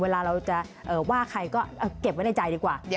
เวลาเราจะว่าใครก็เก็บไว้ในใจดีกว่า